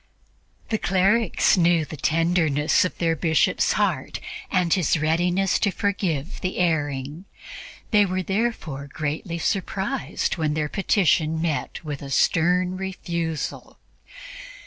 The clerics knew the tenderness of their Bishop's heart and his readiness to forgive the erring; they were therefore greatly surprised when their petition met with a stern refusal.